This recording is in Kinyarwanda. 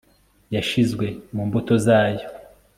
yashizwe mu mbuto zayo